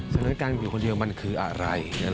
ฉะนั้นการอยู่คนเดียวมันคืออะไร